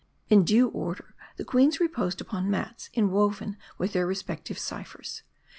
In due order, the queens reposed upon mats inwoven with their respective ciphers.